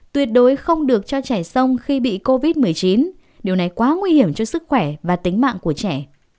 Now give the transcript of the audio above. tuyệt đối không được cho trẻ sông khi bị covid một mươi chín điều này quá nguy hiểm cho sức khỏe và tính mạng của trẻ